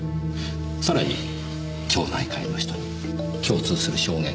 さらに町内会の人に共通する証言が。